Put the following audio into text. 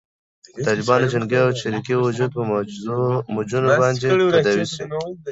د طالبانو جنګي او چریکي وجود په معجونو باندې تداوي شي.